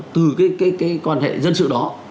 từ cái quan hệ dân sự đó